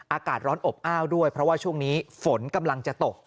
อากาศร้อนอบอ้าวด้วยเพราะว่าช่วงนี้ฝนกำลังจะตก